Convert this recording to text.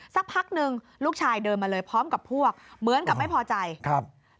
แต่แม่คาก็ทำเสียหน้าไม่พอใจค่ะ